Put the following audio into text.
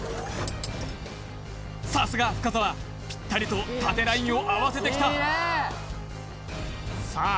さすが深澤ピッタリと縦ラインを合わせてきたさあ